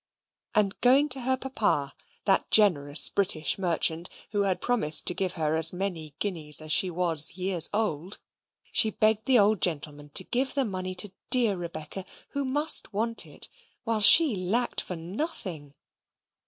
And going to her Papa, that generous British merchant, who had promised to give her as many guineas as she was years old she begged the old gentleman to give the money to dear Rebecca, who must want it, while she lacked for nothing.